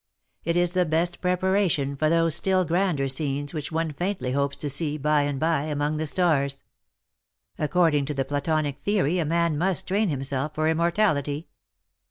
It is the best preparation for those still grander scenes which one faintly hopes to see by and by among the stars. According to the Platonic theory a man must train himself for immortality.